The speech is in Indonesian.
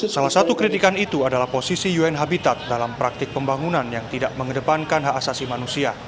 salah satu kritikan itu adalah posisi un habitat dalam praktik pembangunan yang tidak mengedepankan hak asasi manusia